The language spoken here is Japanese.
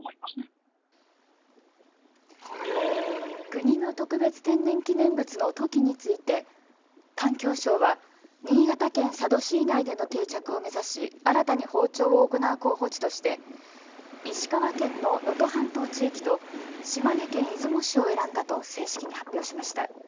国の特別天然記念物のトキについて、環境省は新潟県佐渡市以外での定着を目指し新たに放鳥を行う候補地として石川県の能登半島地域と島根県出雲市を選んだと正式に発表しました。